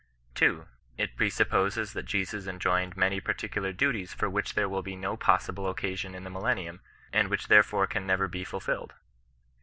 2. It presupposes that Jesus enjoined many particular duties for wmoh there will be no possible occasion in the millennium, and which therefore can never be fulfilled.